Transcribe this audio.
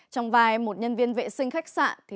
trong vài một nhân viên vệ sinh khách sạn